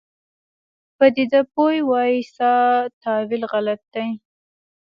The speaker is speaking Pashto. پدیده پوه وایي ستا تاویل غلط دی.